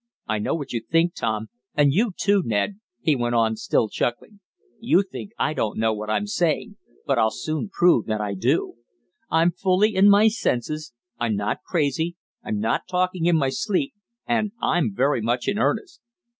"I know what you think, Tom, and you, too, Ned," he went on, still chuckling. "You think I don't know what I'm saying, but I'll soon prove that I do. I'm fully in my senses, I'm not crazy, I'm not talking in my sleep, and I'm very much in earnest.